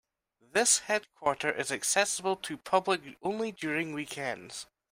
This headquarter is accessible to public only during weekends.